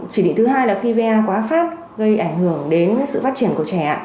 chỉ định thứ hai là khi va quá phát gây ảnh hưởng đến sự phát triển của trẻ